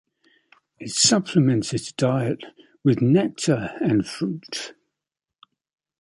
It supplements its diet with nectar and fruit.